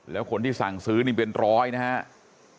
แล้วคนที่สั่งซื้อนี่เป็นร้อยนะครับ